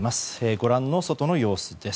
ご覧の外の様子です。